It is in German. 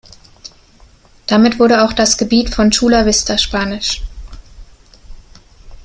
Damit wurde auch das Gebiet von Chula Vista spanisch.